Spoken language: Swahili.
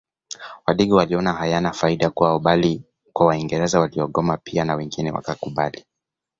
Wadigo waliona hayana faida kwao bali kwa waingereza waligoma pia na wengine wakakubali